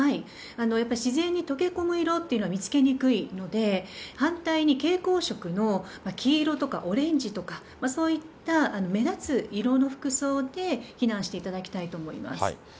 やっぱり自然に溶け込む色っていうのは見つけにくいので、反対に蛍光色の黄色とかオレンジとか、そういった目立つ色の服装で、避難していただきたいと思います。